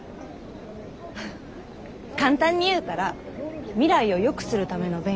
フッ簡単に言うたら未来をよくするための勉強かな。